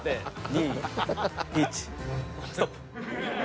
２１ストップ。